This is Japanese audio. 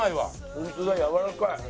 ホントだやわらかい。